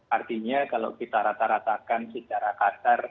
artinya kalau kita rata ratakan secara kasar